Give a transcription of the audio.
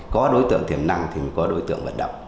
có đối tượng thiểm năng thì có đối tượng vận động